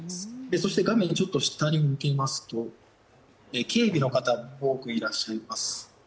そして画面下に向けますと警備の方、多くいらっしゃいます。